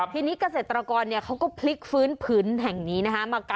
ทีนี้เกษตรกรเขาก็พลิกฟื้นผืนแห่งนี้นะคะ